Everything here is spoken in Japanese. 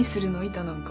板なんか。